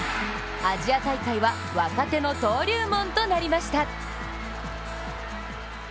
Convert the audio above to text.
アジア大会は若手の登竜門となりました。